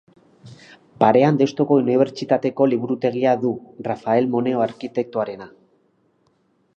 Parean Deustuko Unibertsitateko liburutegia du, Rafael Moneo arkitektoarena.